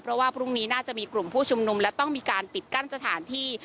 เพราะว่าพรุ่งนี้น่าจะมีกลุ่มผู้ชุมนุมและต้องมีการปิดกั้นสถานที่